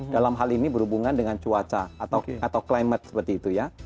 dalam hal ini berhubungan dengan cuaca atau climate seperti itu ya